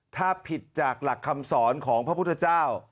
ถ้าผิดจากหลักคำสอนของพระพุทธเจ้า